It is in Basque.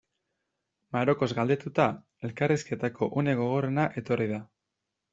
Marokoz galdetuta, elkarrizketako une gogorrena etorri da.